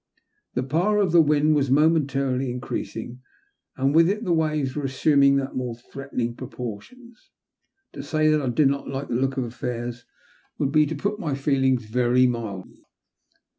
The power of the wind was momentarily increasing, and with it the waves were assuming more threatening proportions. To say that I did not like the look of affairs would be to put my feelings very mildly.